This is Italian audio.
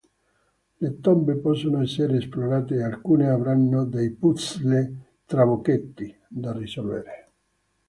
Le tombe possono essere esplorate e alcune avranno dei "puzzle trabocchetti" da risolvere.